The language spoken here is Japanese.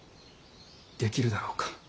できるだろうか。